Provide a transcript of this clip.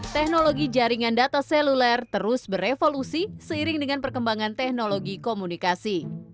teknologi jaringan data seluler terus berevolusi seiring dengan perkembangan teknologi komunikasi